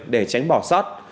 để tránh bỏ sót